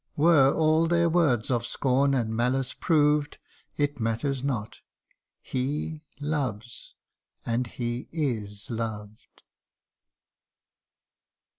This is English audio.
Were all their words of scorn and malice proved, It matters not he loves and he is loved!